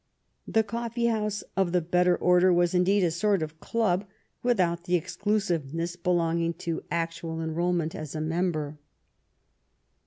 The coffee house of the better order was, indeed, a sort of club without the exclusiveness belonging to actual enrol ment as a member.